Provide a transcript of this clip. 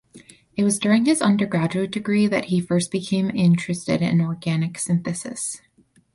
It was during his undergraduate degree that he first became interested in organic synthesis.